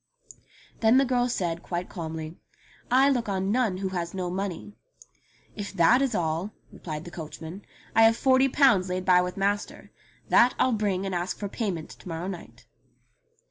Then the girl said quite calmly, "I look on none who has no money." "If that is all," replied the coachman, *'I have forty pounds laid by with master. That I'll bring and ask for payment to morrow night."